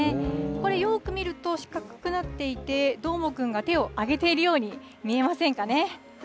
これ、よーく見ると四角くなっていて、どーもくんが手を挙げているように見えませんかね。